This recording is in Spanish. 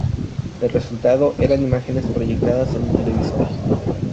El resultado eran imágenes proyectadas en un televisor.